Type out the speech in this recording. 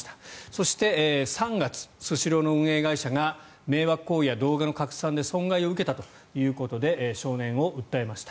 そして３月スシローの運営会社が迷惑行為や動画の拡散で損害を受けたということで少年を訴えました。